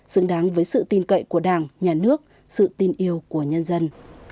xứng đáng với sự tin cậy của đảng nhà nước sự tin yêu của nhân dân